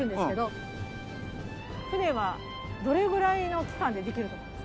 船はどれぐらいの期間でできると思いますか？